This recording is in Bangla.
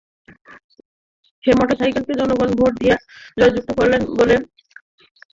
তাই মোটরসাইকেলকে জনগণ ভোট দিয়ে জয়যুক্ত করবেন বলে আমি শতভাগ আশাবাদী।